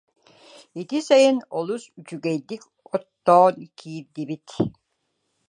Ити сайын олус үчүгэйдик оттоон киирдибит